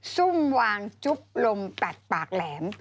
ซุ่มวางจุ๊บลมตัดปากแหลม